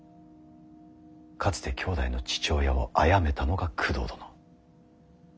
かつて兄弟の父親をあやめたのが工藤殿。